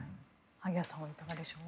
萩谷さんはいかがでしょう。